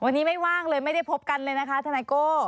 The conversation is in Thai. วันนี้ไม่ว่างเลยไม่ได้พบกันเลยนะคะทนายโก้